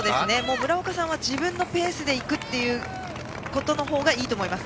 村岡さんは自分のペースで行くことの方がいいと思います。